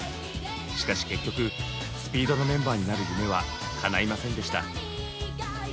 しかし結局ＳＰＥＥＤのメンバーになる夢はかないませんでした。